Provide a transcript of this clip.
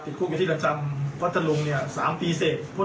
ติดคู่กับที่จำพัฒนลงเนี่ย๓ปีเสพ